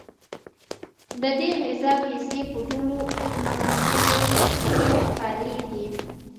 ددې غزا کیسې په ټولو اتمانخيلو کې خپرې دي.